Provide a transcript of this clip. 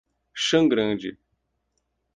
Chã Grande